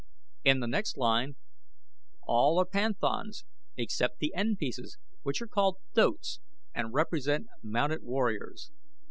In the next line all are Panthans except the end pieces, which are called Thoats, and represent mounted warriors.